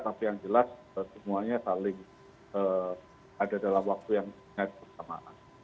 tapi yang jelas semuanya saling ada dalam waktu yang bersamaan